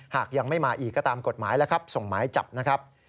หากยังไม่มาอีกก็ตามกฎหมายแล้วครับส่งหมายจับนะครับ